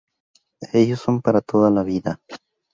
Ellos son para toda la vida.